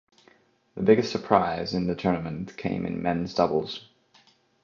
The biggest surprise in the tournament came in men's doubles.